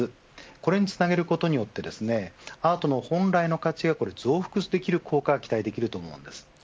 これをつなげることによってアートの本来の価値が増幅できる効果が期待できます。